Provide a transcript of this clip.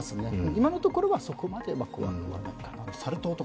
今のところは、そこまで怖くはないかなと。